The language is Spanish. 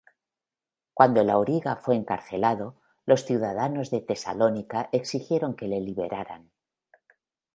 Cuando el auriga fue encarcelado los ciudadanos de Tesalónica exigieron que le liberaran.